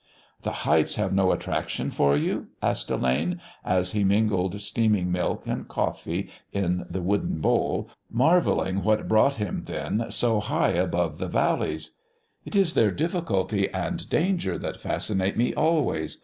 "The heights have no attraction for you?" asked Delane, as he mingled steaming milk and coffee in the wooden bowl, marvelling what brought him then so high above the valleys. "It is their difficulty and danger that fascinate me always.